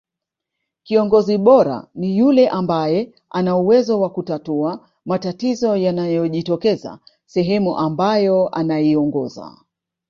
kiongozi bora ni yule ambae ana uwezo wa kutatua matatizo yanayojitokeza sehemu ambayo anaiongoza